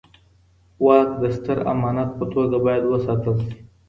واک د ستر امانت په توګه بايد وساتل سي.